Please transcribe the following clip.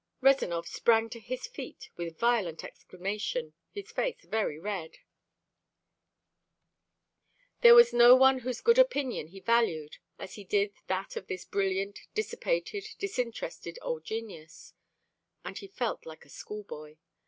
Rezanov sprang to his feet with a violent exclamation, his face very red. There was no one whose good opinion he valued as he did that of this brilliant, dissipated, disinterested old genius; and he felt like a schoolboy.